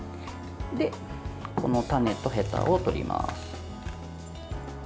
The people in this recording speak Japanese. この種とへたを取ります。